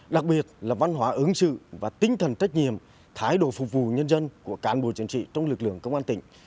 đặc biệt là văn hóa ứng sự và tinh thần trách nhiệm thái độ phục vụ nhân dân của cán bộ chiến sĩ trong lực lượng công an tỉnh